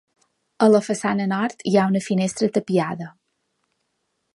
A la façana nord hi ha una finestra tapiada.